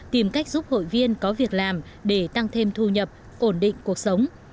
tìm cách giúp hội viên có việc làm để tăng thêm thu nhập ổn định cuộc sống